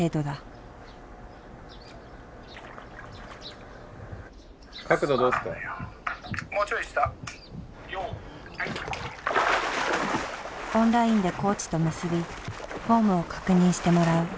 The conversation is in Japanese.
オンラインでコーチと結びフォームを確認してもらう。